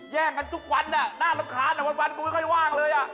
แยกกันทุกวันหน้ารมขาหนาวันก็ไม่พอว่างเลยอ่ะ